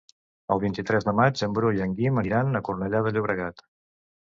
El vint-i-tres de maig en Bru i en Guim aniran a Cornellà de Llobregat.